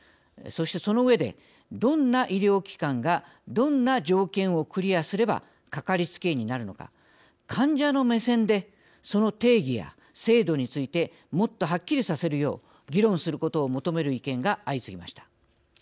そして、そのうえでどんな医療機関がどんな条件をクリアすればかかりつけ医になるのか患者の目線でその定義や制度についてもっとはっきりさせるよう議論することを求める意見が相次ぎました。